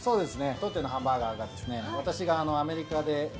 当店のハンバーガーがですね